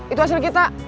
itu hasil kita